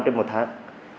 năm trên một tháng